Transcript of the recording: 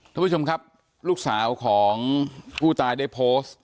ทุกผู้ชมครับลูกสาวของผู้ตายได้โพสต์